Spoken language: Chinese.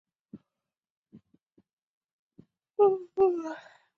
对情有独钟。